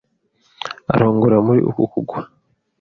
Arongora muri uku kugwa.